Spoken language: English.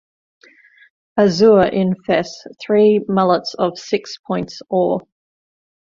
Azure in fess three mullets-of-six-points or.